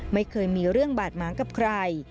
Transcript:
ไม่เคยมีเรื่องบาดหมางกับใคร